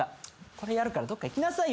これやるからどっか行きなさいよ